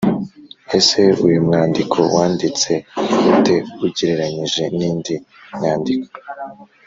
ese uyu mwandiko wanditse ute ugereranyije n’indi myandiko?